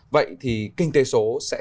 vậy thì kinh tế số sẽ